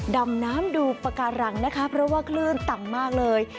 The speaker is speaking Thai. ดำน้ำดูปากการังนะคะเพราะว่าคลื่นต่ำมากเลย